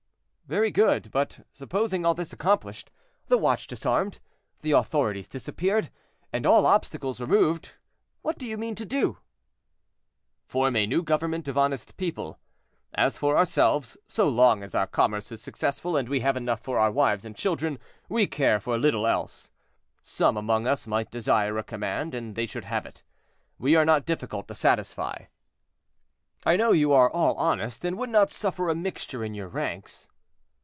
"Very good; but supposing all this accomplished, the watch disarmed, the authorities disappeared, and all obstacles removed, what do you mean to do?" "Form a new government of honest people. As for ourselves, so long as our commerce is successful, and we have enough for our wives and children, we care for little else. Some among us might desire a command, and they should have it. We are not difficult to satisfy." "I know you are all honest, and would not suffer a mixture in your ranks."